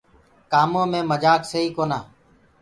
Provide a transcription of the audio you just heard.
ڪآمو مي مجآڪ سئي ڪونآ۔